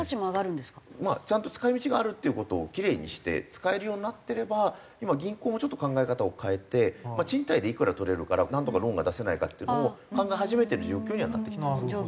ちゃんと使い道があるっていう事をキレイにして使えるようになってれば今銀行もちょっと考え方を変えて賃貸でいくら取れるからなんとかローンが出せないかっていうのを考え始めてる状況にはなってきてますね。